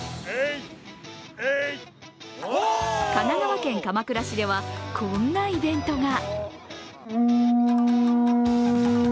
神奈川県鎌倉市ではこんなイベントが。